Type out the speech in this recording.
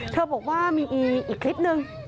บอกว่ามีอีกคลิปนึง